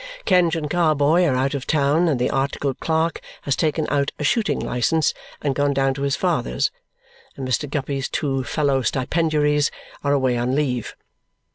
Kenge and Carboy are out of town, and the articled clerk has taken out a shooting license and gone down to his father's, and Mr. Guppy's two fellow stipendiaries are away on leave.